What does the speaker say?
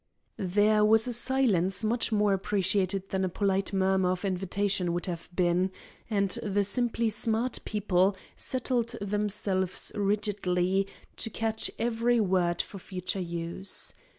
There was a silence much more appreciated than a polite murmur of invitation would have been, and the simply smart people settled themselves rigidly to catch every word for future use.